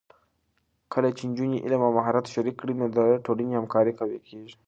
کله چې نجونې علم او مهارت شریک کړي، نو د ټولنې همکاري قوي کېږي.